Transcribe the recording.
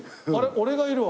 俺がいるわ。